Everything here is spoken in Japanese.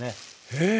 へえ。